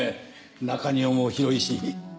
中庭も広いし。